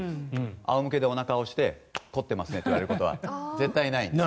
仰向けでおなかを押して凝ってますねってやることは絶対ないんです。